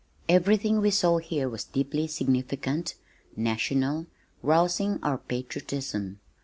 Everything we saw here was deeply significant, national, rousing our patriotism.